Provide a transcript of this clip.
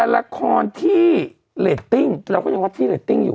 แต่ละครที่เรตติ้งเราก็ยังว่าที่เรตติ้งอยู่